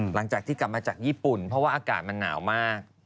หลังจากที่กลับมาจากญี่ปุ่นเพราะว่าอากาศมันหนาวมาก